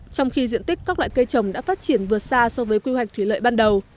trong khi diện tích các loại cây trồng đã phát triển vượt xa so với quy hoạch thủy lợi ban đầu